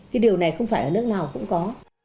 cái điều này không phải ở nước nào cũng có